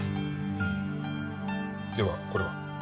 うんではこれは？